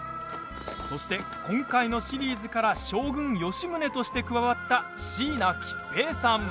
そして、今回のシリーズから将軍・吉宗として加わった椎名桔平さん。